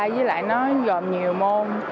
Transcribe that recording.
với lại nó gồm nhiều môn